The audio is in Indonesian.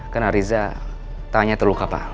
karena riza tanya terluka pak